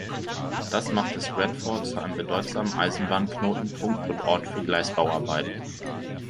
Das machte Stratford zu einem bedeutsamen Eisenbahnknotenpunkt und Ort für Gleisbauarbeiten.